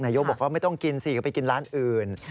ยกบอกว่าไม่ต้องกินสิก็ไปกินร้านอื่น